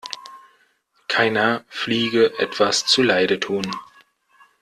Keiner Fliege etwas zuleide tun.